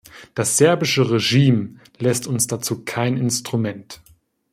Das serbische Regime lässt uns dazu kein Instrument.